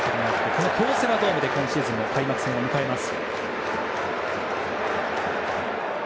この京セラドームで今シーズンの開幕戦を迎えます。